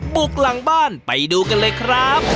บุกหลังบ้านไปดูกันเลยครับ